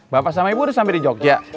bapak sama ibu udah sampe di jogja